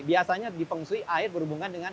biasanya di feng shui air berhubungan dengan